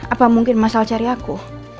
apa mungkin masalah cari aku